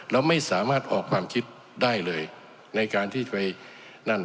แล้วไม่สามารถออกความคิดได้เลยในการที่จะไปนั่น